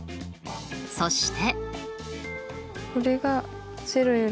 そして。